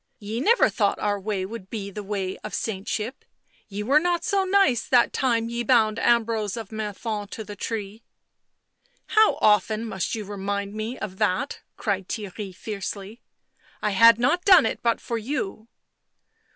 " Ye never thought our way would be the way of saintship — ye were not so nice that time ye bound Ambrose of Menthon to the tree." " How often must you remind me of that?" cried Theirry fiercely. " I had not done it but for you."